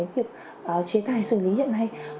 việc chế tài xử lý hiện nay